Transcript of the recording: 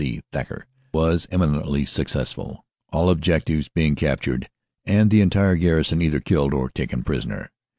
C. Thacker), was eminently successful, all objectives being captured and the entire garrison either killed or taken prisoner.